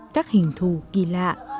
các hình thù kỳ lạ